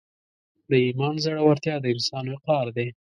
د ایمان زړورتیا د انسان وقار دی.